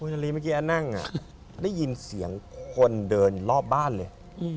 นาลีเมื่อกี้นั่งได้ยินเสียงคนเดินรอบบ้านเลย